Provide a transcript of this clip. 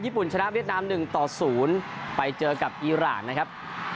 ญุ่นชนะเวียดนาม๑ต่อ๐ไปเจอกับอีรานนะครับ